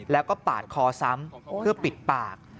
แล้วก็ปาดคอซ้ำเพื่อปิดปาก